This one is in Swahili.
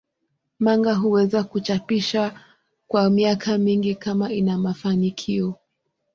Manga huweza kuchapishwa kwa miaka mingi kama ina mafanikio.